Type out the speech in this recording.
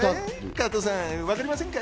加藤さん、わかりませんか？